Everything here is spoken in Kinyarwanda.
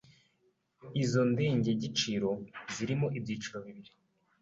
Izo ndengegeciro zirimo ibyiciro bibiri: